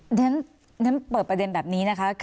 ฉะนั้นเปิดประเด็นแบบนี้นะคะ